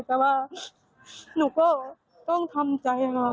แต่ว่าหนูก็ต้องทำใจค่ะ